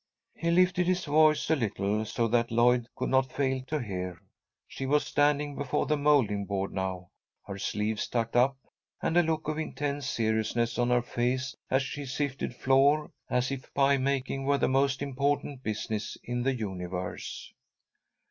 He lifted his voice a little, so that Lloyd could not fail to hear. She was standing before the moulding board now, her sleeves tucked up, and a look of intense seriousness on her face as she sifted flour, as if pie making were the most important business in the universe.